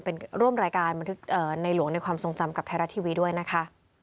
เป็นร่วมรายการบันทึกในหลวงในความทรงจำกับไทยรัฐทีวีด้วยนะคะ